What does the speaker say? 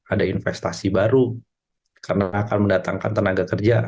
ada investasi baru karena akan mendatangkan tenaga kerja